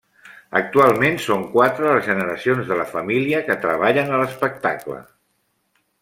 Actualment són quatre les generacions de la família que treballen a l'espectacle.